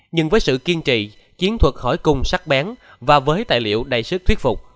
nhưng với sự kiên trì chiến thuật hỏi cung sắc bén và với tài liệu đầy sức thuyết phục